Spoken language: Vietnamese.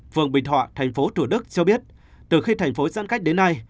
phường bình thọ thành phố thủ đức cho biết từ khi thành phố giãn cách đến nay